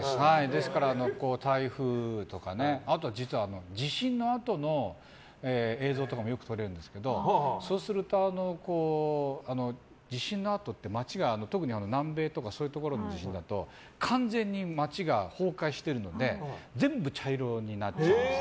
ですから台風とかあと実は地震のあとの映像とかもよく撮れるんですけどそうすると、地震のあとって街が特に南米とかそういうところの地震だと完全に街が崩壊してるので全部茶色になっちゃうんです。